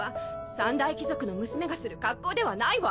三大貴族の娘がする格好ではないわ！